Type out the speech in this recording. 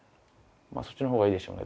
そっちのほうがいいでしょうね